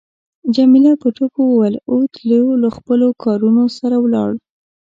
جميله په ټوکو وویل اوتیلو له خپلو کارونو سره ولاړ.